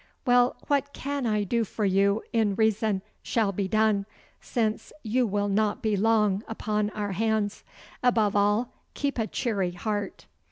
Well, what I can do for you in reason shall be done, since you will not be long upon our hands. Above all, keep a cheery heart.